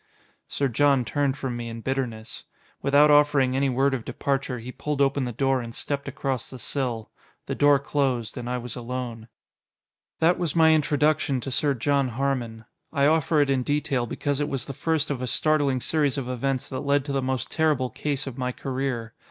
Sir John turned from me in bitterness. Without offering any word of departure, he pulled open the door and stepped across the sill. The door closed, and I was alone. That was my introduction to Sir John Harmon. I offer it in detail because it was the first of a startling series of events that led to the most terrible case of my career.